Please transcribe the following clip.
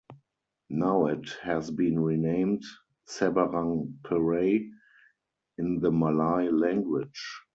Now it has been renamed "Seberang Perai" in the Malay language.